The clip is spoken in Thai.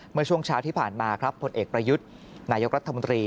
เมื่อช่วงเช้าที่ผ่านมาครับผลเอกประยุทธ์นายกรัฐมนตรี